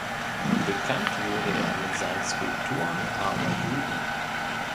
Bekannt wurde er mit seinen Skulpturen armer Juden.